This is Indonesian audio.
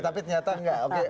tapi ternyata enggak